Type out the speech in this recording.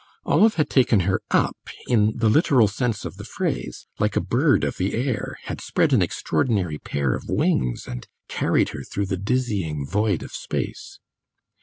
Olive had taken her up, in the literal sense of the phrase, like a bird of the air, had spread an extraordinary pair of wings, and carried her through the dizzying void of space.